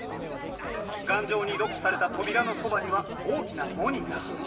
頑丈にロックされた扉のそばには大きなモニター。